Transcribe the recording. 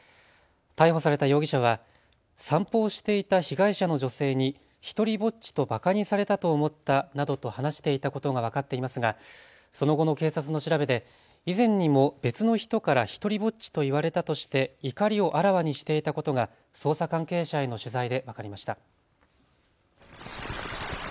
逮捕された容疑者は散歩をしていた被害者の女性に独りぼっちとばかにされたと思ったなどと話していたことが分かっていますが、その後の警察の調べで以前にも別の人から独りぼっちと言われたとして怒りをあらわにしていたことが捜査関係者への取材で分かりました。